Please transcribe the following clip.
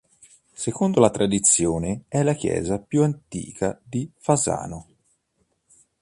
Secondo la tradizione è la chiesa più antica di Fasano.